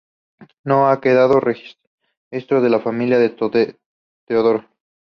No ha quedado registro de la familia de Teodoro.